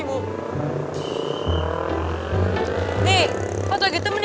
ya supaya bisa ketemu sama lo